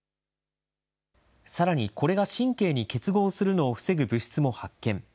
さらにこれが神経に結合するのを防ぐ物質も発見。